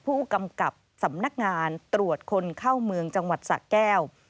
ผู้กำกับสำนักงานตรวจคนเข้าเมืองจังหวัดสะแก้ว